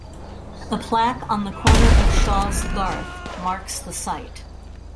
A plaque on the corner of Shaws Garth marks the site.